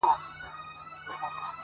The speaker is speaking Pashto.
« که مي څوک په فقیری شمېري فقیر سم؛